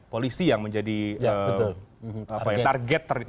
polisi yang menjadi target